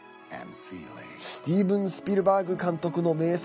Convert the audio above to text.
スティーブン・スピルバーグ監督の名作